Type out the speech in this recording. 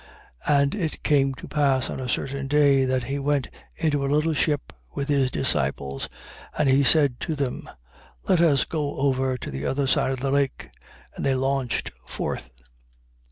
8:22. And it came to pass on a certain day that he went into a little ship with his disciples. And he said to them: Let us go over to the other side of the lake. And they launched forth.